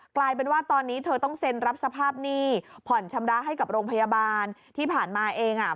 กลายเป็นว่าตอนนี้เธอต้องเซ็นรับสภาพหนี้ผ่อนชำระให้กับโรงพยาบาลที่ผ่านมาเองอ่ะ